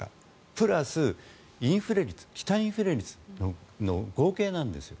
プラスインフレ率、期待インフレ率の合計なんですよ。